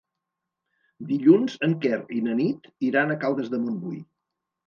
Dilluns en Quer i na Nit iran a Caldes de Montbui.